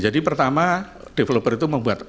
jadi pertama developer itu membuat